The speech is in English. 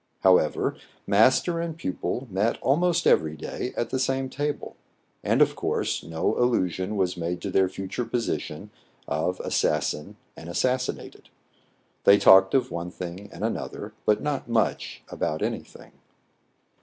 However, master and pupil met almost every day at the same table ; and, of course, no allusion was made to their future position of assassin and assas sinated. They talked of one thing and another, but not much about any thing.